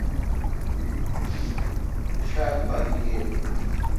شاک پا گیگے°